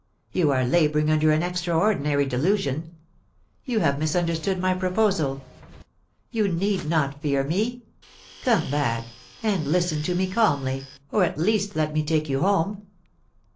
You are labouring under an extraordinary delusion. You have misunderstood my pro posal You need not fear me. Come back, and listen to me calmly, or at least let me take you home.'